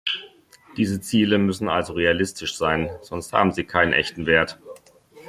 Diese Ziele müssen also realistisch sein, sonst haben sie keinen echten Wert.